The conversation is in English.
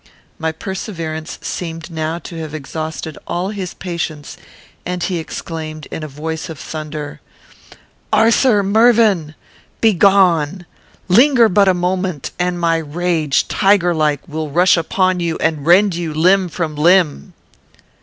My perseverance seemed now to have exhausted all his patience, and he exclaimed, in a voice of thunder, "Arthur Mervyn! Begone. Linger but a moment, and my rage, tiger like, will rush upon you and rend you limb from limb."